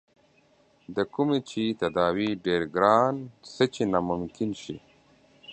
د کومې چې تداوے ډېر ګران څۀ چې ناممکن شي